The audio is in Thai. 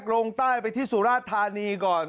ลงใต้ไปที่สุราชธานีก่อน